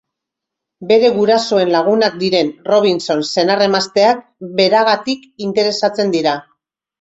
Bere gurasoen lagunak diren Robinson senar-emazteak beragatik interesatzen dira.